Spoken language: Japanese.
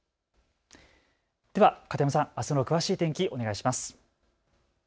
では片山さん、あすの詳しい天気をお願いします。